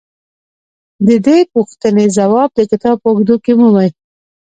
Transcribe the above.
د دې پوښتنې ځواب د کتاب په اوږدو کې مومئ.